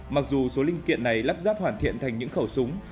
mặc dù số linh kiện này lắp ráp hoàn thiện thành những khẩu súng